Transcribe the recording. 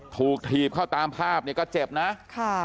ถีบเข้าตามภาพเนี่ยก็เจ็บนะค่ะ